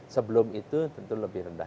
sebelum itu tentu lebih rendah